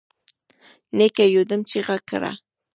نيکه يودم چيغه کړه.